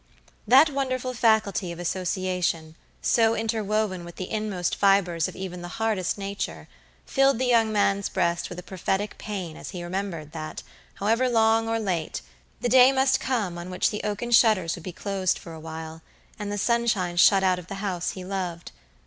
That wonderful faculty of association, so interwoven with the inmost fibers of even the hardest nature, filled the young man's breast with a prophetic pain as he remembered that, however long or late, the day must come on which the oaken shutters would be closed for awhile, and the sunshine shut out of the house he loved.